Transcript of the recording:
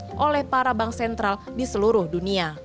yang oleh para bank sentral di seluruh dunia